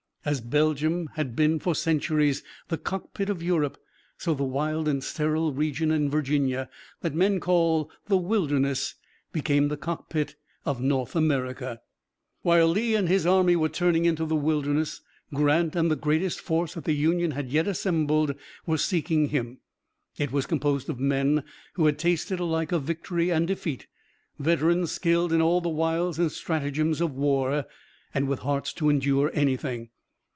As Belgium had been for centuries the cockpit of Europe, so the wild and sterile region in Virginia that men call the Wilderness became the cockpit of North America. While Lee and his army were turning into the Wilderness Grant and the greatest force that the Union had yet assembled were seeking him. It was composed of men who had tasted alike of victory and defeat, veterans skilled in all the wiles and stratagems of war, and with hearts to endure anything.